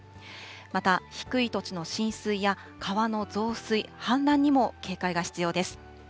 また、低い土地の浸水や、川の増水、氾濫にも警戒が必要です。